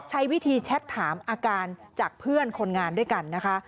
ใช้วิธีแชทถามอาการจากเพื่อนคนงานด้วยกันนะคะ